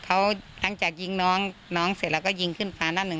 เขาหลังจากยิงน้องน้องเสร็จแล้วก็ยิงขึ้นฟ้าหน้าหนึ่ง